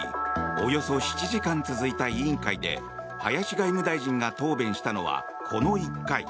およそ７時間続いた委員会で林外務大臣が答弁したのはこの１回。